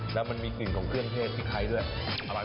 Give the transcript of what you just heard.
และมันมีกลิ่นของเครื่องเทศพิไครด์ด้วย